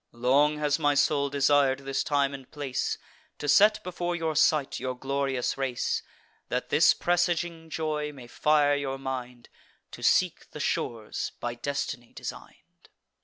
Long has my soul desir'd this time and place, To set before your sight your glorious race, That this presaging joy may fire your mind To seek the shores by destiny design'd."